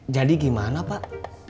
jadi gimana pak